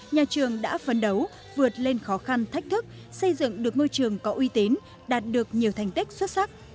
nhà trường đã phấn đấu vượt lên khó khăn thách thức xây dựng được ngôi trường có uy tín đạt được nhiều thành tích xuất sắc